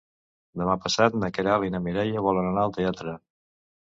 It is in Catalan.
Demà passat na Queralt i na Mireia volen anar al teatre.